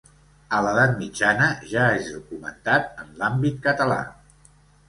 A l'edat mitjana ja és documentat en l'àmbit català.